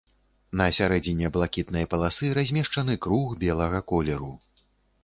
На сярэдзіне блакітнай паласы размешчаны круг белага колеру.